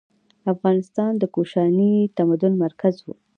افغانستان د کوشاني تمدن مرکز و.